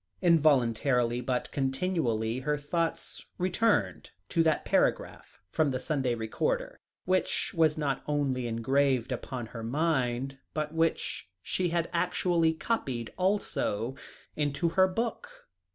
Involuntarily, but continually, her thoughts returned to that paragraph from the Sunday Recorder, which was not only engraved upon her mind, but which she had actually copied also into her book.